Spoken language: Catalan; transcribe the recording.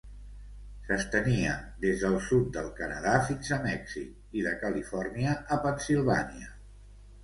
S'estenia des del sud del Canadà fins a Mèxic i de Califòrnia a Pennsilvània.